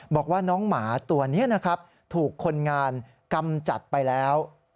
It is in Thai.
บอกว่าน้องหมาตัวนี้นะครับถูกคนงานกำจัดไปแล้ว